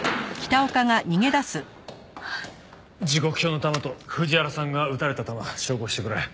時刻表の弾と藤原さんが撃たれた弾照合してくれ。